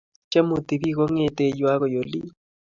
chemuti bik kongete yu akoi olin